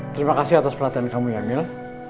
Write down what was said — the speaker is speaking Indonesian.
terima kasih atas perhatian kami emil